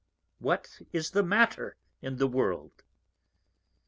What is the Matter in the World?